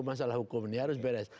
masalah hukum ini harus beres